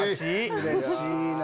うれしいな。